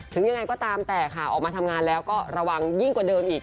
ถึงยังไงก็ตามแต่ค่ะออกมาทำงานแล้วก็ระวังยิ่งกว่าเดิมอีก